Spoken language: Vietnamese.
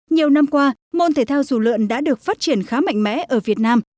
nhiều năm qua môn thể thao dù lượn đã được phát triển khá mạnh mẽ ở việt nam